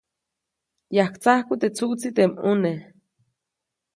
Yajtsajku teʼ tsuʼtsi teʼ mʼuneʼ.